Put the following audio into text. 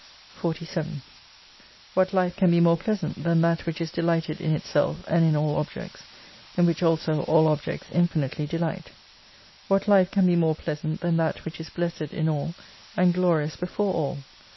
47 What life can be more pleasant, than that which is delighted in itself, and in all objects ; in which also all objects infinitely dehght ? What life can be more pleasant, than that which is blessed in all, and glorious before all